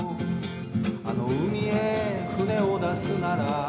「あの海へ船を出すなら」